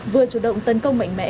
vừa chủ động tấn công mạnh mẽ